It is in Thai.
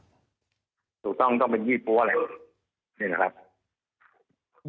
ถูกต้องต้องเป็นยี่ปั้วเลย